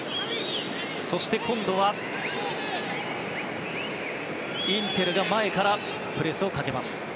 そして今度はインテルが前からプレスをかける。